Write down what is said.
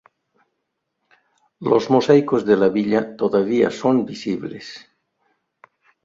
Los mosaicos de la villa todavía son visibles.